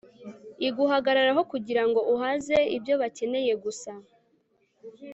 iguhagararaho kugirango uhaze ibyo bakeneye gusa